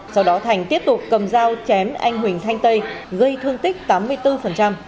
sau đó thành tiếp tục cầm dao chém anh huỳnh thanh tây gây thương tích tám mươi bốn